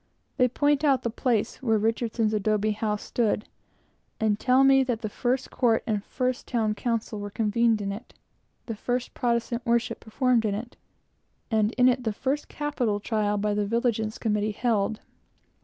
They point out the place where Richardson's adobe house stood, and tell me that the first court and first town council were convened in it, the first Protestant worship performed in it, and in it the first capital trial by the Vigilance Committee held.